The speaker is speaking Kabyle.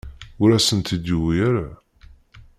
Ur asen-tent-id-yuwi ara.